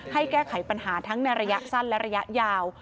แก้ไขปัญหาทั้งในระยะสั้นและระยะยาว